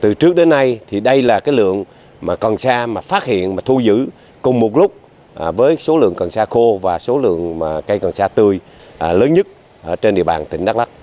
từ trước đến nay thì đây là cái lượng mà cần xa mà phát hiện mà thu giữ cùng một lúc với số lượng cần xa khô và số lượng cây cần xa tươi lớn nhất trên địa bàn tỉnh đắk lắk